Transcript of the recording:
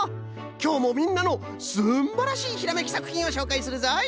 きょうもみんなのすんばらしいひらめきさくひんをしょうかいするぞい。